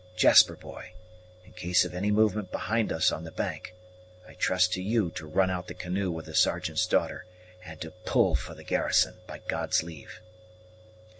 Jasper, boy, in case of any movement behind us on the bank, I trust to you to run out the canoe with the Sergeant's daughter, and to pull for the garrison, by God's leave."